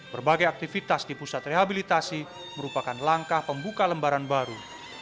berbagai aktivitas di pusat rehabilitasi merupakan langkah pembuka lembaran baru